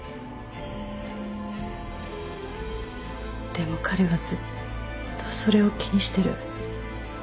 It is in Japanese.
でも彼はずっとそれを気にしてる。